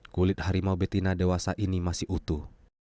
kulit harimau betina dewasa ini masih utuh